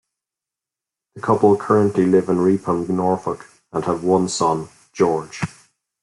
The couple currently live in Reepham, Norfolk, and have one son, George.